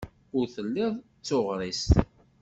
Ur telliḍ d tuɣrist.